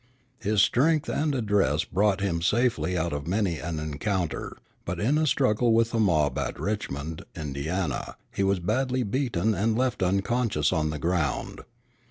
His strength and address brought him safely out of many an encounter; but in a struggle with a mob at Richmond, Indiana, he was badly beaten and left unconscious on the ground.